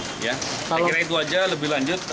saya kira itu aja lebih lanjut